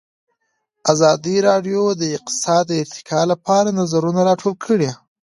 ازادي راډیو د اقتصاد د ارتقا لپاره نظرونه راټول کړي.